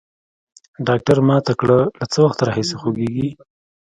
ډاکتر ما ته کړه له څه وخت راهيسي خوږېږي.